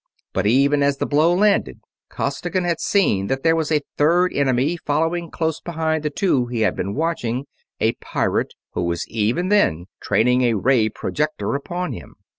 But even as the blow landed Costigan had seen that there was a third enemy, following close behind the two he had been watching, a pirate who was even then training a ray projector upon him.